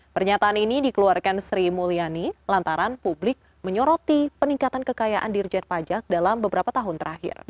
pernyataan ini dikeluarkan sri mulyani lantaran publik menyoroti peningkatan kekayaan dirjen pajak dalam beberapa tahun terakhir